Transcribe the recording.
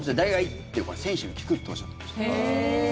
ってこれは選手に聞くっておっしゃってました。